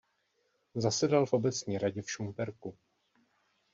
Zasedal v obecní radě v Šumperku.